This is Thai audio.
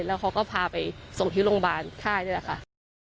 แล้วเขาก็พาไปส่งที่โรงพยาบาลค่ายนี่แหละค่ะ